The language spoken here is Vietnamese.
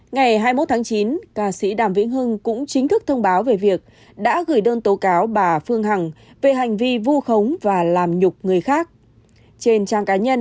ngày hai mươi một tháng chín ca sĩ đàm vĩnh hưng cũng chính thức thông báo về việc đã gửi đơn tố cáo bà phương hằng về hành vi vu khống và lạc